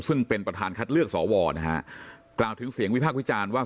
ซึ่งเป็นประธานคัดเลือกสวนะฮะกล่าวถึงเสียงวิพากษ์วิจารณ์ว่า